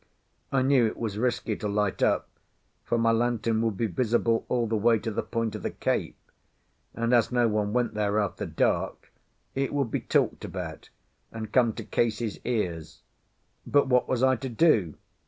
I knew it was risky to light up, for my lantern would be visible all the way to the point of the cape, and as no one went there after dark, it would be talked about, and come to Case's ears. But what was I to do?